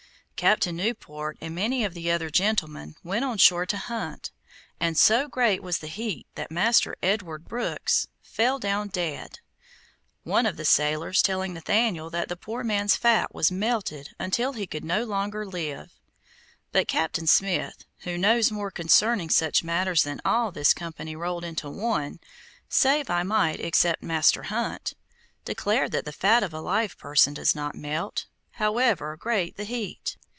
Captain Newport, and many of the other gentlemen, went on shore to hunt, and so great was the heat that Master Edward Brookes fell down dead, one of the sailors telling Nathaniel that the poor man's fat was melted until he could no longer live; but Captain Smith, who knows more concerning such matters than all this company rolled into one, save I might except Master Hunt, declared that the fat of a live person does not melt, however great the heat.